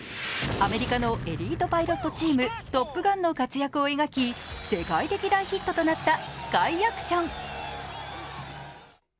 アメリカのエリートパイロットチームトップガンの活躍を描き、世界的大ヒットとなったスカイアクション。